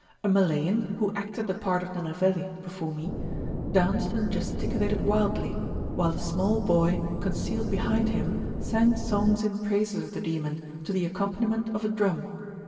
A Malayan, who acted the part of Nenaveli before me, danced and gesticulated wildly, while a small boy, concealed behind him, sang songs in praises of the demon, to the accompaniment of a drum.